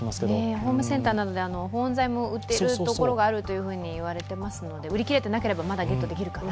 ホームセンターなどで保温材を売っているところもあると聞いていますので、売り切れてなければ、まだゲットできるかな？